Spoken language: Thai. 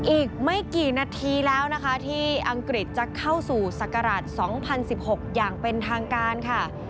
อีกไม่กี่นาทีแล้วนะคะที่อังกฤษจะเข้าสู่ศักราช๒๐๑๖อย่างเป็นทางการค่ะ